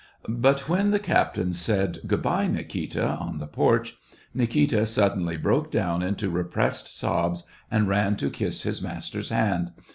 But when the captain said :" Good by, Nikita," on the porch, Nikita suddenly broke down into repressed sobs, and ran to kiss his master's hand.